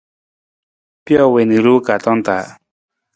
Pijo wii na i ruwee kaartong taa.